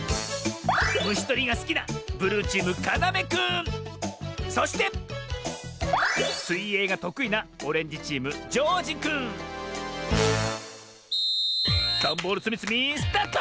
むしとりがすきなそしてすいえいがとくいなダンボールつみつみスタート！